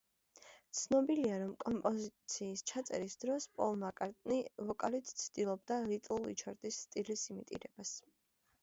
ცნობილია, რომ კომპოზიციის ჩაწერის დროს პოლ მაკ-კარტნი ვოკალით ცდილობდა ლიტლ რიჩარდის სტილის იმიტირებას.